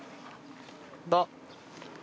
「だ」。